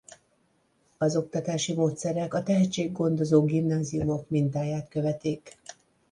Az oktatási módszerek a tehetséggondozó gimnáziumok mintáját követik.